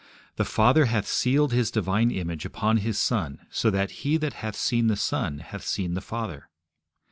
The Father hath sealed His divine image upon His Son, so that he that hath seen the Son hath seen the Father.